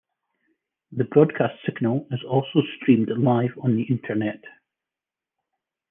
The broadcast signal is also streamed live on the internet.